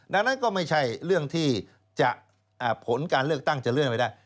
ดังนั้นก็ไม่ใช่เรื่องที่ผลการเลือกตั้งจะเลื่อนไปได้